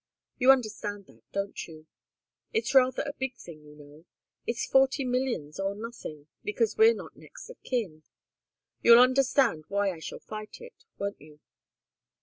You understand that, don't you? It's rather a big thing, you know it's forty millions or nothing, because we're not next of kin. You'll understand why I shall fight it, won't you?"